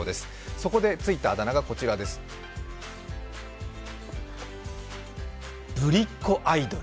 そこでついた、あだ名がぶりっ子アイドル